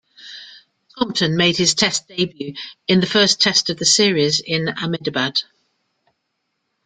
Compton made his test debut in the first Test of the series in Ahmedabad.